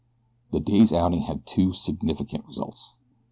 The day's outing had two significant results.